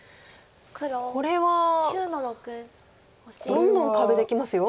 これはどんどん壁できますよ。